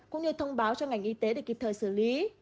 cũng như thông báo cho ngành y tế để kịp thời xử lý